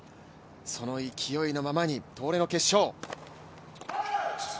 その勢いのままに東レの決勝。